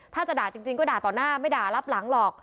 ถ้าจะด่าจริงก็ด่าต่อหน้าไม่ด่ารับหลังหรอก